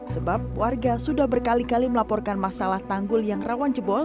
sebab warga sudah berkali kali melaporkan masalah tanggul yang rawan jebol